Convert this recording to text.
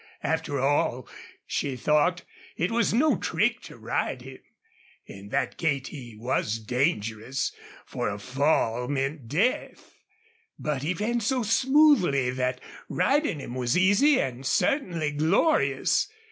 After all, she thought, it was no trick to ride him. In that gait he was dangerous, for a fall meant death; but he ran so smoothly that riding him was easy and certainly glorious.